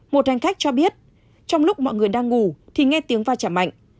một hành khách cho biết trong lúc mọi người đang ngủ thì nghe tiếng va chạm mạnh